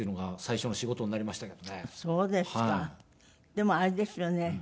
でもあれですよね。